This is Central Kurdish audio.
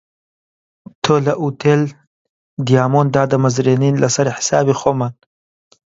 تۆ لە ئوتێل دیامۆند دادەمەزرێنین لەسەر حیسابی خۆمان